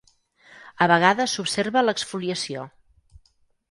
A vegades s'observa l'exfoliació.